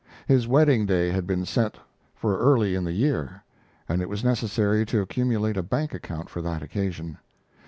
His wedding day had been set for early in the year, and it was necessary to accumulate a bank account for that occasion.